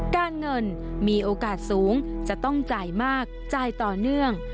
การเงินมีโอกาสสูงจะต้องจ่ายมากจ่ายต่อเนื่อง